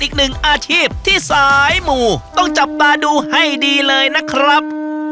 อีกหนึ่งอาชีพที่สายหมู่ต้องจับตาดูให้ดีเลยนะครับ